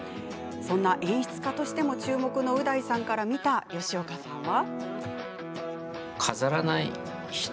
そんな、演出家としても注目のう大さんから見た吉岡さんは？